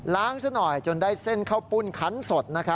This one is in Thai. ซะหน่อยจนได้เส้นข้าวปุ้นคันสด